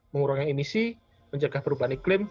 mengurangi emisi menjaga perubahan iklim